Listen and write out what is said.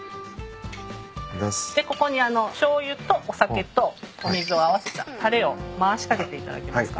でここにしょうゆとお酒とお水を合わせたたれを回し掛けていただけますか？